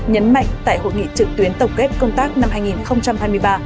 nhấn mạnh tại hội nghị trực tuyến tổng kết công tác năm hai nghìn hai mươi ba